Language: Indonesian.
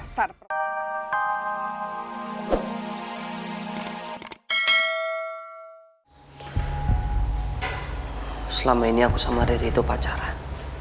selama ini aku sama diri itu pacaran